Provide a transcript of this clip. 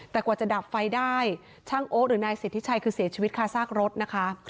แต่กว่าจะดับไฟได้ช่างโอ๊ตหรือนายสิทธิชัยคือเสียชีวิตคาซากรถนะคะ